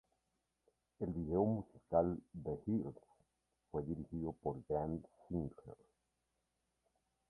El video musical de ""The Hills"" fue dirigido por Grant Singer.